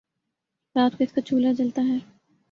رات کو اس کا چولہا جلتا ہے